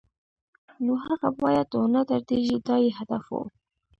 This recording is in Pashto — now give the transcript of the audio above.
نو هغه باید و نه دردېږي دا یې هدف و.